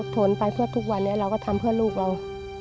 ผลไปเพื่อทุกวันนี้เราก็ทำเพื่อลูกเรา